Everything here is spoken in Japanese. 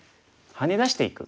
ハネ出していく。